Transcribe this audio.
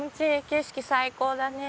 景色最高だね。